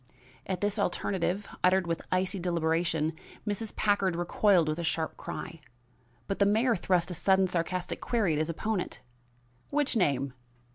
At this alternative, uttered with icy deliberation, Mrs. Packard recoiled with a sharp cry; but the mayor thrust a sudden sarcastic query at his opponent: "Which name?